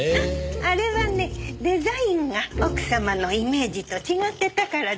あれはねデザインが奥様のイメージと違ってたからですよ。